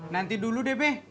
nanti dulu deh be